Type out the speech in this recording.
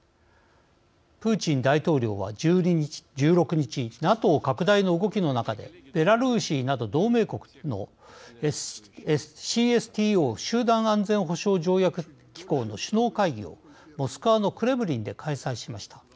プーチン大統領は、１６日ＮＡＴＯ拡大の動きの中でベラルーシなど同盟国のＣＳＴＯ集団安全保障条約機構の首脳会議をモスクワのクレムリンで開催しました。